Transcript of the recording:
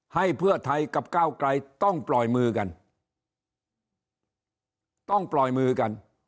ให้เพื่อไทยกับก้าวไกลต้องปล่อยมือกันต้องปล่อยมือกัน